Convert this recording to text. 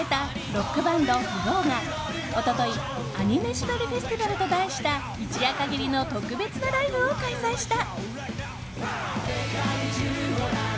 ロックバンド、ＦＬＯＷが一昨日「アニメ縛りフェスティバル」と題した一夜限りの特別なライブを開催した。